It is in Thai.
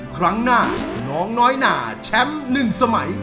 ครั้งหน้าน้องน้อยหนาแชมป์๑สมัย